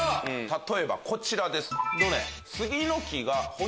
例えばこちらです。